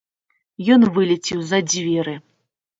Ён вылецеў за дзверы.